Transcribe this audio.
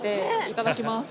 いただきます。